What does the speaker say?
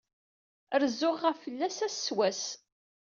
Rezzuɣ ɣef fell-as ass s wass.